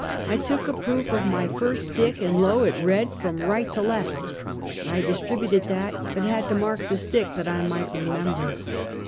I took a proof of my first stick, and lo, it read from right to left. I distributed that, but had to mark the stick that I might remember.